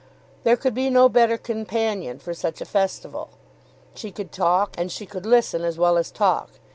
There could be no better companion for such a festival. She could talk, and she could listen as well as talk.